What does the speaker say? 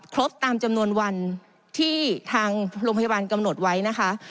ครบตามจำนวนวันที่ทางโรงพยาบาลกำหนดไว้นะคะ